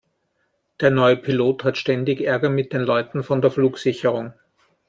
Der neue Pilot hat ständig Ärger mit den Leuten von der Flugsicherung.